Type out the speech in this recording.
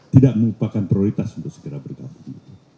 tidak melupakan prioritas untuk segera bergabung